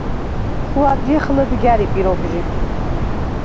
ჩუ ადჲეხ ლჷდგა̈რი პირობჟი.